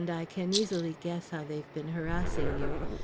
"I can easily guess how they've been harassing you.